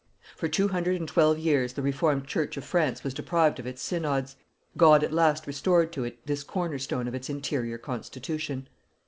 For two hundred and twelve years the Reformed church of France was deprived of its synods. God at last restored to it this corner stone of its interior constitution.